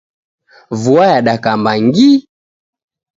Vua yadakamba ngi!